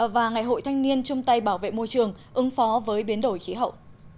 và ngày hội thanh niên chung tay bảo vệ môi trường ứng phó với biến đổi khí hậu